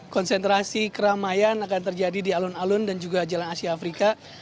konsentrasi keramaian akan terjadi di alun alun dan juga jalan asia afrika